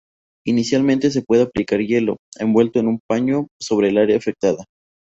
Inicialmente se puede aplicar hielo, envuelto en un paño, sobre el área afectada.